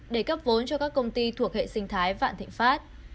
để cấp vốn cho các công ty thuộc hệ sinh thái vạn thịnh pháp